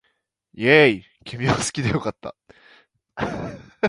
イェーイ君を好きで良かった